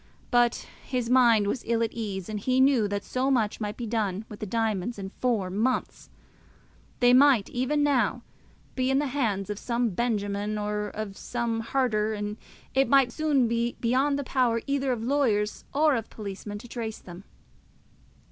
But his mind was ill at ease; and he knew that so much might be done with the diamonds in four months! They might even now be in the hands of some Benjamin or of some Harter, and it might soon be beyond the power either of lawyers or of policemen to trace them.